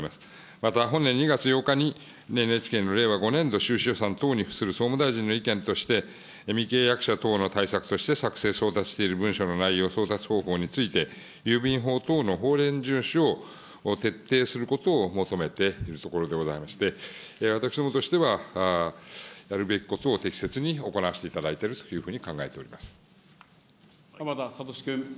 また本年２月８日にＮＨＫの令和５年度収支予算等に付する総務大臣の意見として、未契約者等の対策として作成、送達している文書の内容、送達方法について、郵便法等の法令順守を徹底することを求めているところでございまして、私どもとしては、やるべきことを適切に行わせていただいているというふうに考えて浜田聡君。